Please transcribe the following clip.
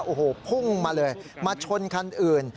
โอ้โหพุ่งมาเลยมาชนคันอื่น